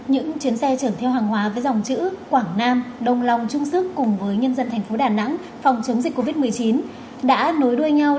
những chuyến xe chởm theo hàng hóa với dòng chữ quảng nam đông lòng chung sức cùng với nhân dân thành phố đà nẵng phòng chống dịch covid một mươi chín đã nối đuôi nhau đi vào thành phố những ngày qua